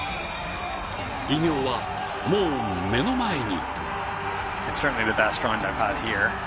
偉業は、もう目の前に。